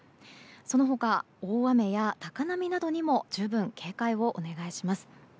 その他、大雨や高波などにも十分警戒をお願いします。